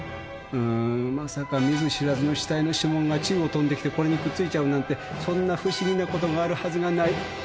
まさか見ず知らずの死体の指紋が宙を飛んできてくっつくなんてそんな不思議なことがあるはずがない。